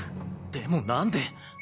でも何で？